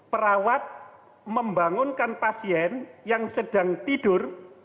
perawat membangunkan pasien yang sedang tidur